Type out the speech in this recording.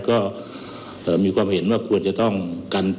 ก็มีความเห็นว่าควรจะต้องกัน